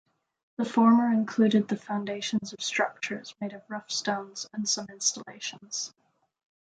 The former included the foundations of structures made of rough stones and some installations.